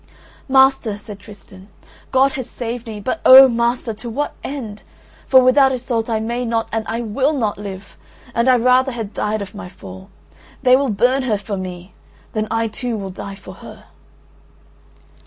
"Master," said Tristan, "God has saved me, but oh! master, to what end? For without Iseult I may not and I will not live, and I rather had died of my fall. They will burn her for me, then I too will die for her."